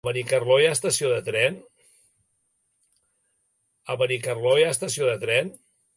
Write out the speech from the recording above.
A Benicarló hi ha estació de tren?